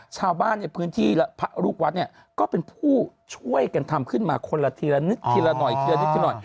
ชาวบ้านเนี่ยพื้นที่และลูกวัดเนี่ยก็เป็นผู้ช่วยกันทำขึ้นมาคนละทีละนิดทีละหน่อย